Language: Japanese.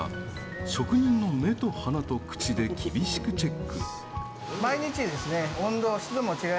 職人の目と鼻と口で厳しくチェック。